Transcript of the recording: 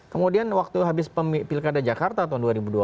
kemudian waktu habis pilkada jakarta tahun dua ribu dua puluh